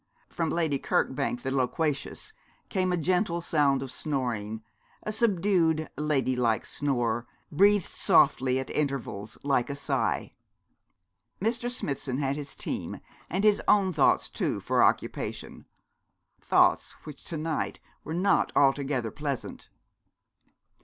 From Lady Kirkbank, the loquacious, came a gentle sound of snoring, a subdued, ladylike snore, breathed softly at intervals, like a sigh. Mr. Smithson had his team, and his own thoughts, too, for occupation, thoughts which to night were not altogether pleasant.